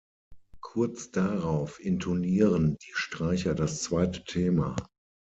Kurz darauf intonieren die Streicher das zweite Thema.